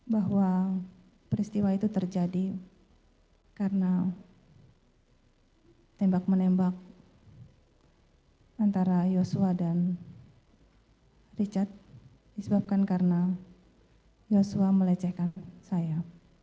bahwa peristiwa itu terjadi karena tembak menembak antara yosua dan richard disebabkan karena yosua melecehkan saya